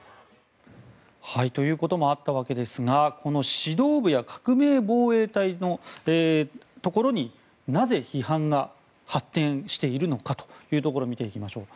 ということもあったわけですがこの指導部や革命防衛隊のところになぜ批判が発展しているのかというところを見ていきましょう。